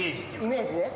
イメージね。